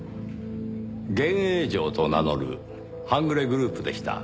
幻影城と名乗る半グレグループでした。